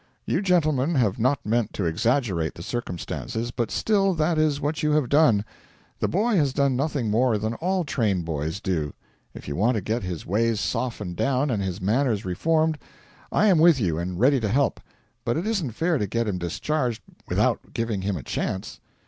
You gentlemen have not meant to exaggerate the circumstances, but still that is what you have done. The boy has done nothing more than all train boys do. If you want to get his ways softened down and his manners reformed, I am with you and ready to help, but it isn't fair to get him discharged without giving him a chance.'